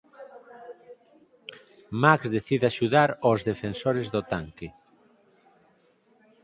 Max decide axudar ós defensores do tanque.